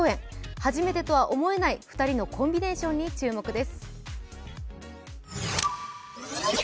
初めてとは思えない、２人のコンビネーションに注目です。